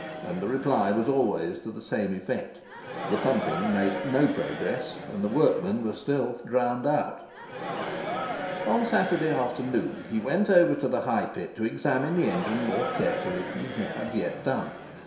And the reply was always to the same effect—the pumping made no progress, and the workmen were still "drowned out." One Saturday afternoon he went over to the High Pit to examine the engine more carefully than he had yet done.